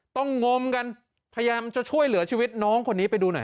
งมกันพยายามจะช่วยเหลือชีวิตน้องคนนี้ไปดูหน่อย